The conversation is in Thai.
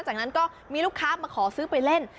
จากนั้นก็มีลูกค้ามาขอซื้อไปเล่น